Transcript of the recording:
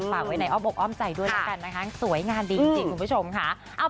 ฝากไว้ในอ้อมใจด้วยนะคะสวยงานดีจริงคุณผู้ชมค่ะ